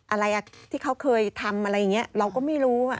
อะไรที่เขาเคยทำอะไรอย่างนี้เราก็ไม่รู้